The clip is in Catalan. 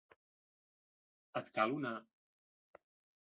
Et cal una.?